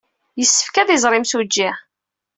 Yessefk ad iẓer imsujji.